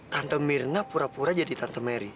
tante mirna pura pura jadi tante mary